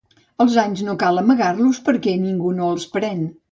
Els anys no cal amagar-los, perquè ningú no els pren.